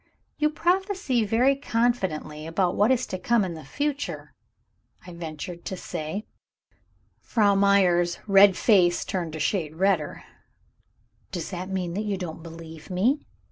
"You prophesy very confidently about what is to come in the future," I ventured to say. Frau Meyer's red face turned a shade redder. "Does that mean that you don't believe me?"